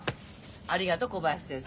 ありがとう小林先生。